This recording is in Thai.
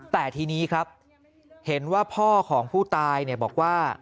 แต่ทีนี้ครับเห็นว่าพ่อของผู้ตายบอกว่า